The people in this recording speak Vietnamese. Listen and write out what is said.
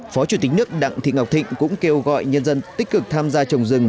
phó chủ tịch nước đặng thị ngọc thịnh cũng kêu gọi nhân dân tích cực tham gia trồng rừng